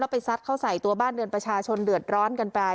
ไปซัดเข้าใส่ตัวบ้านเรือนประชาชนเดือดร้อนกันไป